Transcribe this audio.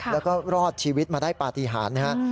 แล้วก็รอดชีวิตมาได้ปฏิหารนะครับ